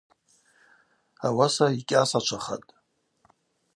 Ауаса йкӏьасачвахатӏ.